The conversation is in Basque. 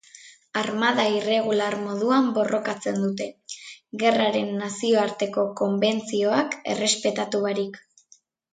Armada irregular moduan borrokatzen dute, gerraren nazioarteko konbentzioak errespetatu barik.